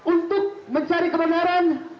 untuk mencari kebenaran